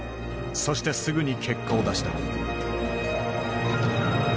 そしてすぐに結果を出した。